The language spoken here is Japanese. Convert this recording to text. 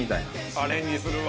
・アレンジするわ・